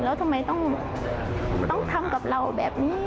แล้วทำไมต้องทำกับเราแบบนี้